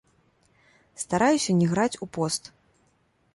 Стараюся не граць у пост.